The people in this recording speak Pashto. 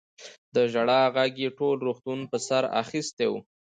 د ژړا غږ يې ټول روغتون په سر اخيستی و.